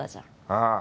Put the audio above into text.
ああ